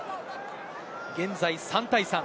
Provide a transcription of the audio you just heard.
現在３対３。